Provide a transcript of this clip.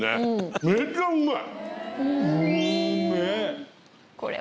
めちゃうまい！